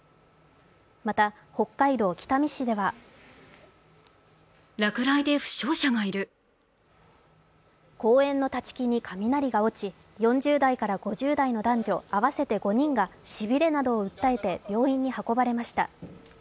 また、北海道北見市では公園の立ち木に雷が落ち、４０代から５０代の男女合わせて５人がしびれなどを訴えて病院に運ばれました。